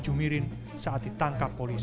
jumirin saat ditangkap polis